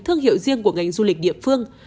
thương hiệu riêng của ngành du lịch địa phương